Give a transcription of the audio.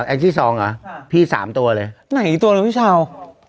แอกที่๒อ่ะพี่๓ตัวเลยไหนตัวเลยพี่ชาว